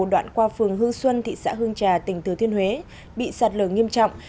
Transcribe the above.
đoạn qua phường hương xuân thị xã hương trà tỉnh thừa thiên huế bị sạt lở nghiêm trọng